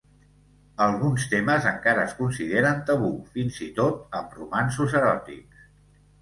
Alguns temes encara es consideren tabú, fins i tot amb romanços eròtics.